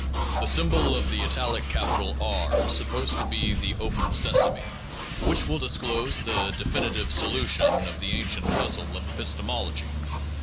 The symbol of the italic capital R is supposed to be the "open sesame" which will dis close the definitive solution of the ancient puzzle of epistemology.